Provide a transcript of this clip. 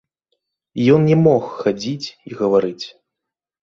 Ён не мог хадзіць і гаварыць.